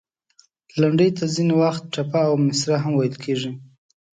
لنډۍ ته ځینې وخت، ټپه او مصره هم ویل کیږي.